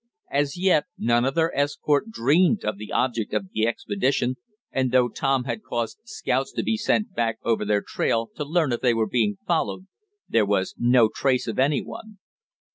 As yet none of their escort dreamed of the object of the expedition, and though Tom had caused scouts to be sent back over their trail to learn if they were being followed there was no trace of any one.